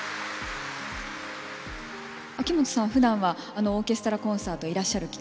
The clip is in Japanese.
秋元さんふだんはオーケストラコンサートいらっしゃる機会はありますか？